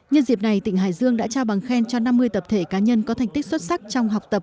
nhân dịp này tỉnh hải dương đã trao bằng khen cho năm mươi tập thể cá nhân có thành tích xuất sắc trong học tập